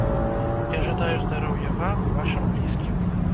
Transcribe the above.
Я жадаю здароўя вам, вашым блізкім.